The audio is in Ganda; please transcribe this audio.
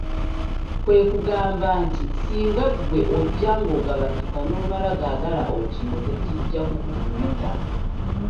Kwe kugamba nti singa ggwe ojja ng'ogabattuka n'omala gaagala okinoge, kijja kukufumita.